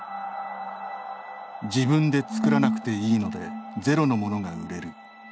自分で作らなくていいので、ゼロのものが売れる。